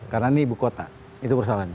karena ini ibu kota itu persoalannya